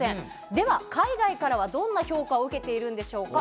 では、海外からはどんな評価を受けているんでしょうか。